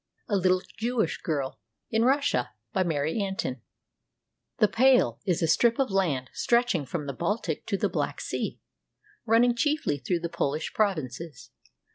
A LITTLE JEWISH GIRL IN RUSSIA BY MARY AN TIN ["The Pale" is a strip of land stretching from the Baltic to the Black Sea, running chiefly through the Polish provinces.